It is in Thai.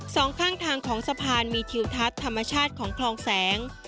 สองข้างทางของสะพานมีทิวทัศน์ธรรมชาติของคลองแสง